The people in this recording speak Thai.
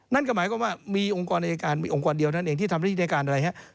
นั่นก็หมายความว่ามีองค์กรอายการมีองค์กรเดียวนั่นเองที่ทำหน้าที่ในการอะไรครับ